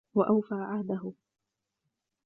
وَأَوْفَى عَهْدَهُ